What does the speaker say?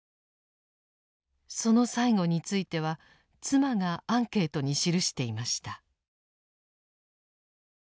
その最期については妻がアンケートに記していました。